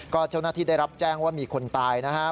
ก็เจ้าหน้าที่ได้รับแจ้งว่ามีคนตายนะฮะ